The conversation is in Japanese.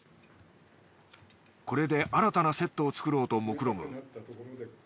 これで新たなセットを作ろうともくろむ。